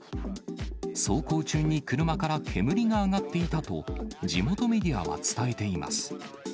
走行中に車から煙が上がっていたと、地元メディアは伝えています。